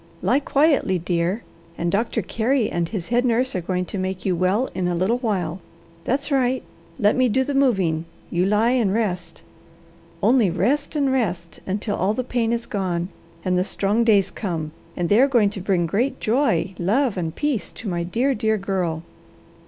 Lie quietly, dear, and Doctor Carey and his head nurse are going to make you well in a little while. That's right! Let me do the moving; you lie and rest. Only rest and rest, until all the pain is gone, and the strong days come, and they are going to bring great joy, love, and peace, to my dear, dear girl.